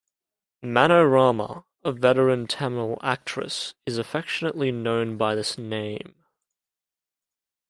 Manorama, a veteran Tamil actress is affectionately known by this name.